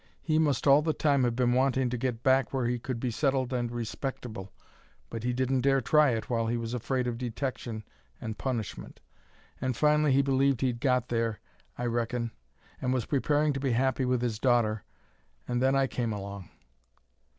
He must all the time have been wanting to get back where he could be settled and respectable! But he didn't dare try it while he was afraid of detection and punishment. And finally he believed he'd got there, I reckon, and was preparing to be happy with his daughter and then I came along!"